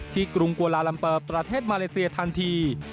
กรุงกวาลาลัมเปอร์ประเทศมาเลเซียทันที